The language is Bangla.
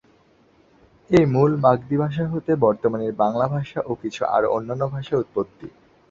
এই মূল মাগধী ভাষা হতে বর্তমানের বাংলা ভাষা ও কিছু আরো অন্যান্য ভাষার উৎপত্তি।